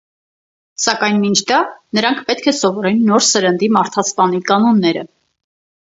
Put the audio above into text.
Սակայն մինչ դա, նրանք պետք է սովորեն «նոր սերնդի» մարդասպանի կանոնները։